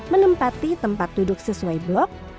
menempati tempat duduk sesuai blok